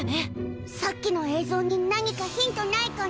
さっきの映像に何かヒントないかな。